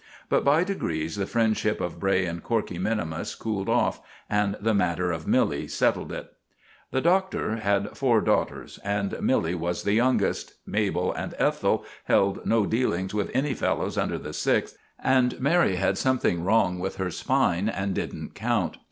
But by degrees the friendship of Bray and Corkey minimus cooled off, and the matter of Milly settled it. The Doctor had four daughters, and Milly was the youngest. Mabel and Ethel held no dealings with any fellows under the Sixth, and Mary had something wrong with her spine and didn't count.